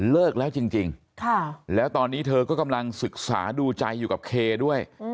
เลิกแล้วจริงแล้วตอนนี้เธอก็กำลังศึกษาดูใจอยู่กับเคด้วย